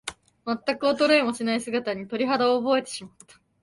まったく衰えもしない姿に、鳥肌を覚えてしまった。